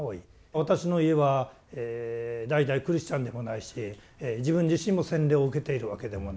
私の家は代々クリスチャンでもないし自分自身も洗礼を受けているわけでもない。